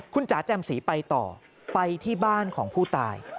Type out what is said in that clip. คุณจ๋าแจ่มสีไปต่อไปที่บ้านของผู้ตาย